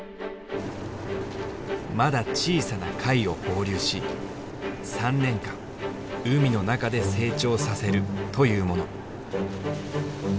まだ小さな貝を放流し３年間海の中で成長させるというもの。